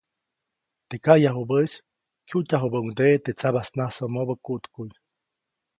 Teʼ kayajubäʼis kyujtyajubäʼuŋdeʼe teʼ tsabasnasomobä kuʼtkuʼy.